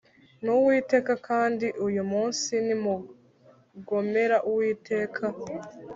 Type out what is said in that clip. N uwiteka kandi uyu munsi nimugomera uwiteka